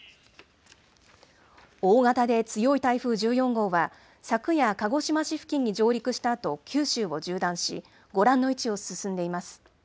大型で強い台風１４号は昨夜、鹿児島市付近に上陸したあと、九州を縦断し、ご覧の位置を進んでいます。